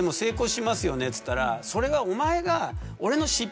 っつったら「それはお前が」。